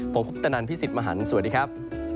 ผมคุปตนันพี่สิทธิ์มหันฯสวัสดีครับ